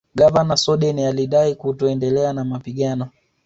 Gavana Soden alidai kutoendelea na mapigano